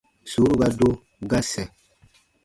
Sùuru ga do, ga sɛ̃.